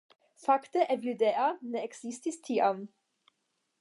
Fakte Evildea ne ekzistis tiam